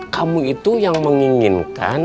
kamu itu yang menginginkan